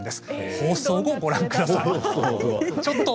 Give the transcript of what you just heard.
放送後にご覧ください。